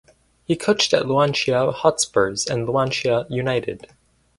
He coached at Luanshya Hotspurs and Luanshya United.